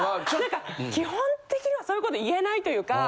基本的にはそういうこと言えないというか。